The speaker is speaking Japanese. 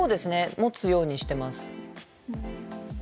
持つようにしてます。